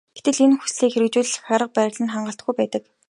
Гэтэл энэ хүслийг хэрэгжүүлэх арга барил нь хангалтгүй байдаг.